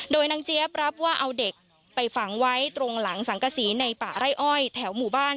โดยนางเจี๊ยบรับว่าเอาเด็กไปฝังไว้ตรงหลังสังกษีในป่าไร่อ้อยแถวหมู่บ้าน